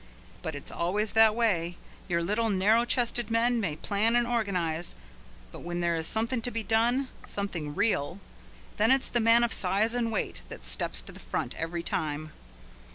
But it's always that way. Your little narrow chested men may plan and organize, but when there is something to be done, something real, then it's the man of size and weight that steps to the front every time.